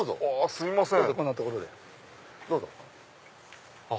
すみません。